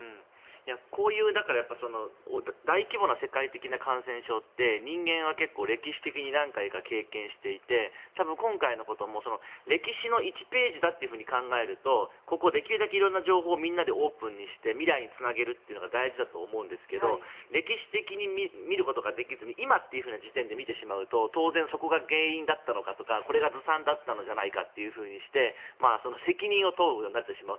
こういう大規模な世界的な感染症って人間は結構歴史的に何回か経験していて多分今回のことも歴史の１ページだと考えるとできるだけいろんな情報をみんなでオープンにして未来につなげることが大事だと思うんですけど歴史的に見ることができずに今という時点で見ると当然そこが原因だったのかとかこれがずさんだったんじゃないかというふうにして責任を問うようになってしまう。